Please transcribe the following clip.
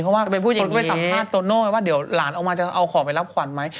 เพราะว่าคนก็ไปสัมภาษณ์โตโน่ว่าเดี๋ยวหลานออกมาจะเอาของไปรับขวัญไหม